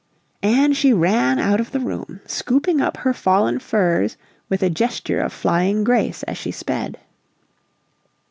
And she ran out of the room, scooping up her fallen furs with a gesture of flying grace as she sped.